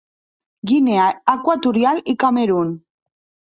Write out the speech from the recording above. Guinea Equatorial i Camerun.